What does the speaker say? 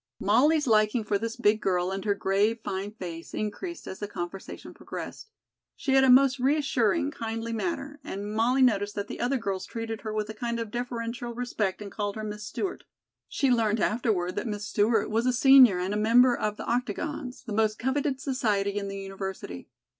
Molly's liking for this big girl and her grave, fine face increased as the conversation progressed. She had a most reassuring, kindly manner and Molly noticed that the other girls treated her with a kind of deferential respect and called her "Miss Stewart." She learned afterward that Miss Stewart was a senior and a member of the "Octogons," the most coveted society in the University.